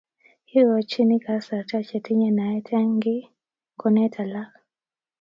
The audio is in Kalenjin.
kikochini kasarta che tinye naet eng' kiy koonet alak